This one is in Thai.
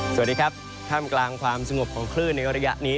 สวัสดีครับท่ามกลางความสงบของคลื่นในระยะนี้